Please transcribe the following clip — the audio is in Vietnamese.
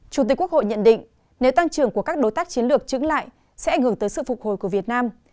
chủ tịch quốc hội nhận định nếu tăng trưởng của các đối tác chiến lược trứng lại sẽ ảnh hưởng tới sự phục hồi của việt nam